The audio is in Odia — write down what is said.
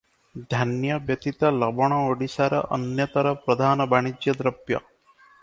ଧାନ୍ୟ ବ୍ୟତୀତ ଲବଣ ଓଡିଶାର ଅନ୍ୟତର ପ୍ରଧାନ ବାଣିଜ୍ୟଦ୍ରବ୍ୟ ।